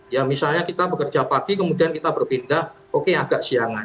ya misalnya kita bekerja pagi kemudian kita berpindah oke agak siangan